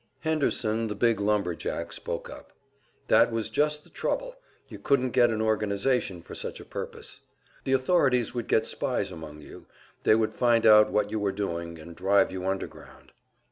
Henderson, the big lumber jack, spoke up. That was just the trouble; you couldn't get an organization for such a purpose. The authorities would get spies among you, they would find out what you were doing, and drive you underground.